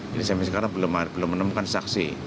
jadi saya pikir sekarang belum menemukan saksi